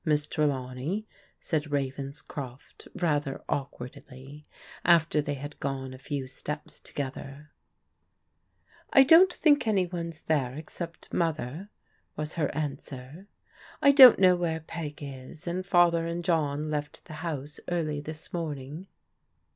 Miss Trelawney," said Ravenscroft rather awkwardly, after they had gone a few steps together. "I don't think any one's there except Mother," was her answer. " I don't know where Peg is, and Father and John left the house early this morning."